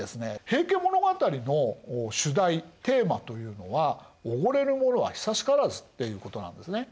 「平家物語」の主題テーマというのは「おごれる者は久しからず」っていうことなんですね。